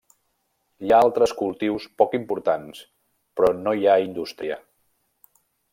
Hi ha altres cultius poc importants però no hi ha indústria.